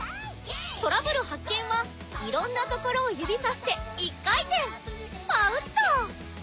トラブル発見はいろんなところを指さして１回転パウっと！